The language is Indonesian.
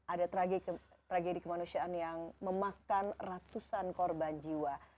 ada tragedi kemanusiaan yang memakan ratusan korban jiwa